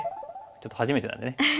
ちょっと初めてなんでね。